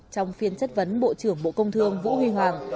trong phiên chất vấn bộ trưởng bộ công thương vũ huy hoàng